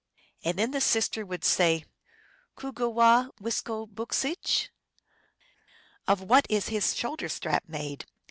And then the sister would say, "Cogoowa* wiskoboo Jcsich ?"" Of what is his shoul der strap made?"